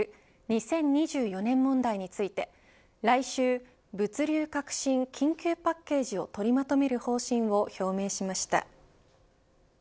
２０２４年問題について来週、物流革新緊急パッケージを取りまとめる方針を表明しました。